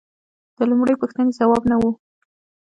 د لومړۍ پوښتنې ځواب نه و